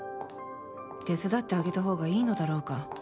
手伝ってあげたほうが良いのだろうか。